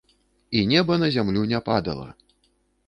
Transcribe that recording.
І неба на зямлю не падала.